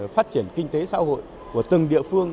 phát triển kinh tế xã hội của từng địa phương